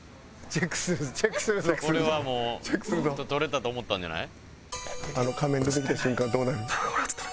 これはもう撮れたと思ったんじゃない？